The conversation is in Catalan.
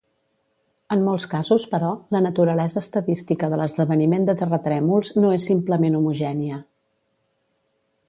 En molts casos, però, la naturalesa estadística de l'esdeveniment de terratrèmols no és simplement homogènia.